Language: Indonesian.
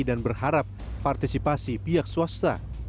dan berharap partisipasi pihak swasta